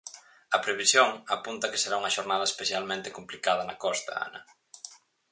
A previsión apunta a que será unha xornada especialmente complicada na costa, Ana.